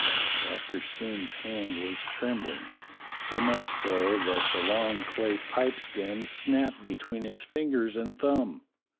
Doctor Syn's hand was trembling, so much so that the long clay pipe stem snapped between his finger and thumb.